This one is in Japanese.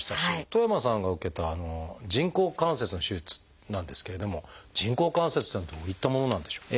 戸山さんが受けた人工関節の手術なんですけれども人工関節っていうのはどういったものなんでしょう？